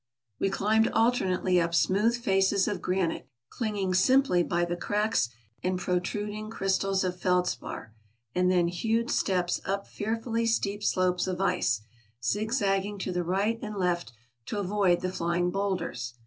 We climbed alternately up smooth faces of granite, cling ing simply by the cracks and protruding crystals of feldspar, and then hewed steps up fearfully steep slopes of ice, zig zagging to the right and left to avoid the flying bowlders.